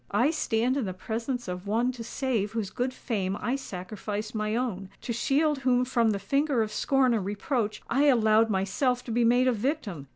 "I stand in the presence of one to save whose good fame I sacrificed my own—to shield whom from the finger of scorn and reproach, I allowed myself to be made a victim!